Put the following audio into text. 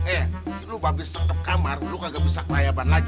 eh lu babes sengkep kamar lu kagak bisa kelayaban lagi